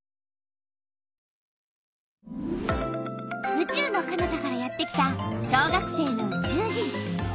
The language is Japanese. うちゅうのかなたからやってきた小学生のうちゅう人！